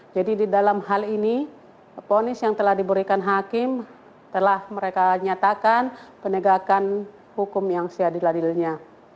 jadi di dalam hal ini fonis yang telah diberikan hakim telah mereka nyatakan penegakan hukum yang seadil adilnya